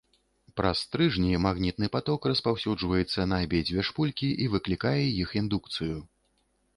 Праз стрыжні магнітны паток распаўсюджваецца на абедзве шпулькі і выклікае іх індукцыю.